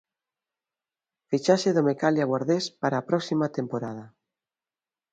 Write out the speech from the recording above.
Fichaxe do Mecalia Guardés para a próxima temporada.